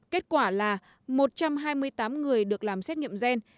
kết quả là một trăm hai mươi tám người được làm xét nghiệm gen